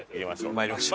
参りましょう。